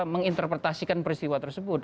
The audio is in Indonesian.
menginterpretasikan peristiwa tersebut